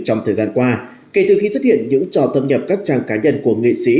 trong thời gian qua kể từ khi xuất hiện những trò thâm nhập các trang cá nhân của nghệ sĩ